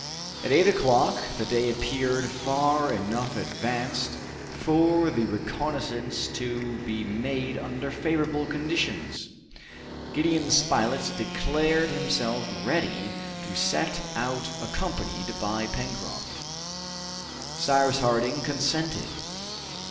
At eight o'clock the day appeared far enough advanced for the reconnaissance to be made under favorable conditions. Gideon Spilett declared himself ready to set out accompanied by Pencroft. Cyrus Harding consented.